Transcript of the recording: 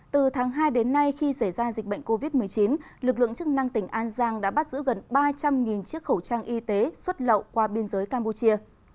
từ tháng hai đến nay khi xảy ra dịch bệnh covid một mươi chín lực lượng chức năng tỉnh an giang đã bắt giữ gần ba trăm linh chiếc khẩu trang y tế xuất lậu qua biên giới campuchia